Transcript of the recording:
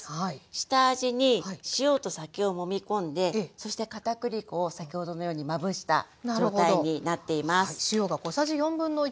下味に塩と酒をもみ込んでそして片栗粉を先ほどのようにまぶした状態になっています。